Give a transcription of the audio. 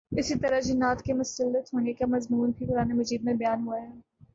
اسی طرح جنات کے مسلط ہونے کا مضمون بھی قرآنِ مجید میں بیان ہوا ہے